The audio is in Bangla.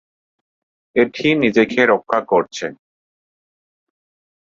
এটি নিজেকে রক্ষা করছে।